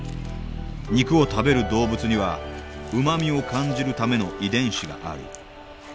肉を食べる動物にはうまみを感じるための遺伝子がある。